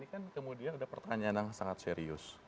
ini kan kemudian ada pertanyaan yang sangat serius